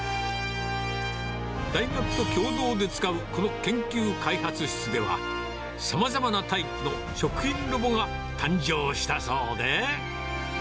大学と共同で使うこの研究開発室では、さまざまなタイプの食品ロボが誕生したそうで。